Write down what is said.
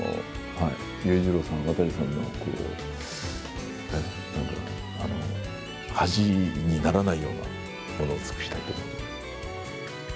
裕次郎さん、渡さんの恥にならないようなものを作りたいと思います。